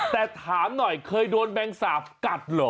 แต่ถามหน่อยเคยโดนแมงสาบกัดเหรอ